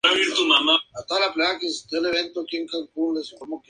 Las patas traseras están adaptadas para saltos relativamente largos.